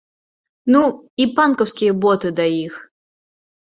Ну, і панкаўскія боты да іх.